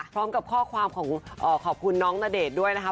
พร้อมกับข้อความของขอบคุณน้องณเดชน์ด้วยนะคะ